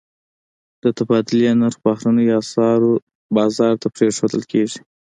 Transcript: د تبادلې نرخ بهرنیو اسعارو بازار ته پرېښودل کېږي.